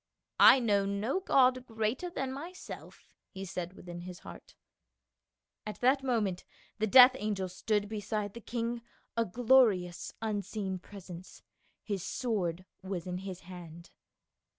" I know no god greater than myself," he said within his heart. 270 PA UL. At that moment the death angcl stood beside the king, a glorious unseen presence. His sword was in his hand.